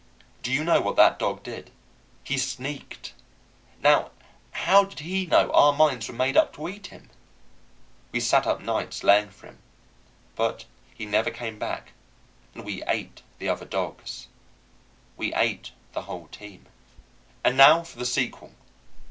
Do you know what that dog did? He sneaked. Now how did he know our minds were made up to eat him? We sat up nights laying for him, but he never came back, and we ate the other dogs. We ate the whole team. And now for the sequel.